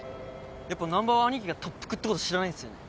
やっぱ難破はアニキが特服ってこと知らないんですよね？